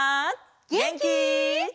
げんき？